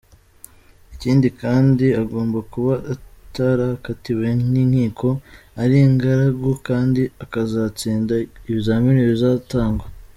Ikindi kandi agomba kuba atarakatiwe n’inkiko, ari ingaragu kandi akazatsinda ibizamini bizatangwa.